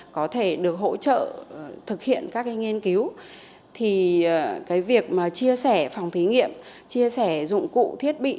hỗ trợ thực hiện các nghiên cứu thì cái việc mà chia sẻ phòng thí nghiệm chia sẻ dụng cụ thiết bị